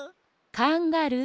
カンガルー？